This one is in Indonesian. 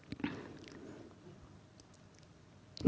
untuk memberikan penjelasan yang memuaskan